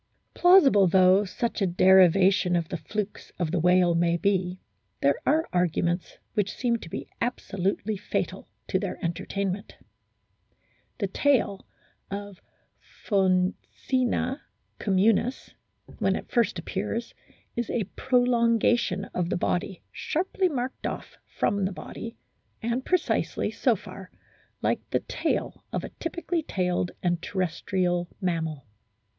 Plausible though such a derivation of the flukes of the whale may be, there are arguments which seem to be absolutely fatal to their entertainment. The tail (of Phoccena communis), when it first appears, is a prolongation of the body sharply marked off from the body, and precisely, so far, like the tail of a typically tailed and terrestrial mammal.